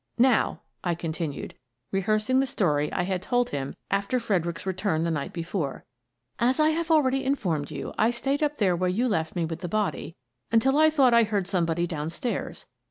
Now," I continued, rehearsing the story I had told him after Freder icks's return the night before, " as I have already in formed you, I stayed up there where you left me with the body until I thought I heard somebody down stairs.